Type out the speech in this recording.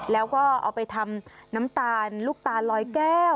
แล้วก็เอาไปทำน้ำตาลลูกตาลลอยแก้ว